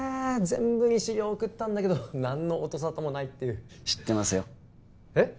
全部に資料送ったんだけど何の音沙汰もないっていう知ってますよえっ？